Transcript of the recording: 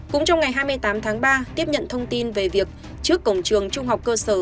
cũng trong ngày hai mươi tám tháng ba tiếp nhận thông tin về việc trước cổng trường trung học cơ sở